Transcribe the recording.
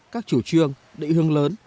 các chủ trương địa hương lớn